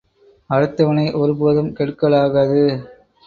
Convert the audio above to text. அடுத்தவனை ஒரு போதும் கெடுக்கலாகாது.